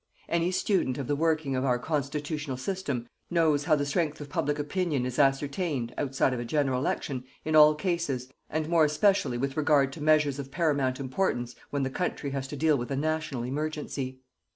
Any student of the working of our constitutional system knows how the strength of public opinion is ascertained, outside of a general election, in all cases, and more specially with regard to measures of paramount importance when the country has to deal with a national emergency.